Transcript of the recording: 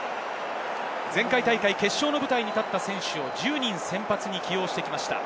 前回大会決勝の舞台に立った選手を１０人、先発に起用してきました。